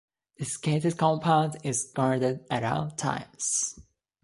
This gated compound is guarded at all times.